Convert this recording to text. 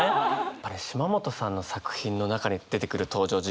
やっぱり島本さんの作品の中に出てくる登場人物たち